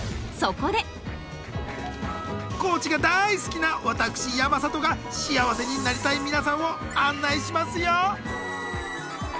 高知が大好きな私山里が幸せになりたい皆さんを案内しますよ！